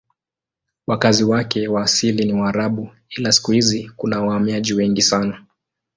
Wakazi wake wa asili ni Waarabu ila siku hizi kuna wahamiaji wengi sana.